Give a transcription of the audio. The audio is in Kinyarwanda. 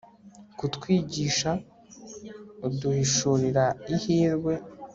kutwigisha, uduhishurira ihirwe